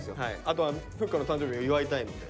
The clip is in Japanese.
あとはふっかの誕生日を祝いたいので。